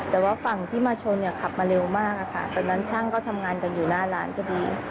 แต่ว่าฝั่งที่มาชนเนี่ยขับมาเร็วมากค่ะตอนนั้นช่างก็ทำงานกันอยู่หน้าร้านพอดี